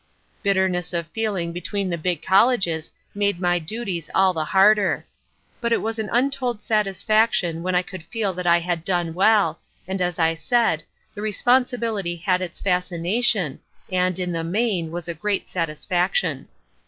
Bitterness of feeling between the big colleges made my duties all the harder. But it was an untold satisfaction when I could feel that I had done well, and as I said, the responsibility had its fascination and, in the main, was a great satisfaction.